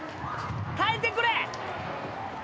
耐えてくれ！